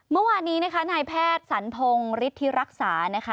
เมื่อวานนี้นะคะนายแพทย์สันพงศ์ฤทธิรักษานะคะ